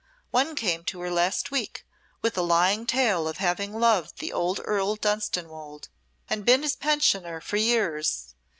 One came to her last week with a lying tale of having loved the old Earl Dunstanwolde, and been his pensioner for years.